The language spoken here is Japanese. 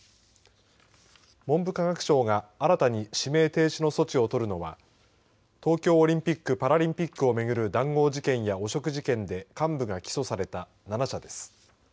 文部科学省が新たに指名停止の措置を取るのは東京オリンピック・パラリンピックを巡る談合事件や汚職事件で幹部が起訴された７社です。